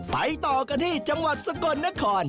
ไปต่อกันที่จังหวัดสกลนคร